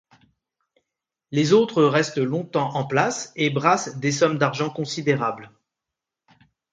Les autres restent longtemps en place et brassent des sommes d'argent considérables.